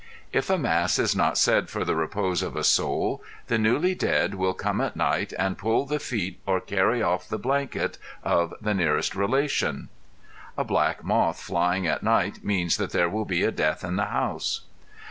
If a mass is not said for the repose of a soul, the newly dead will come at night and pull the feet or carry off the blanket of the nearest relation. A black moth flying at night means that there will be a death in the house.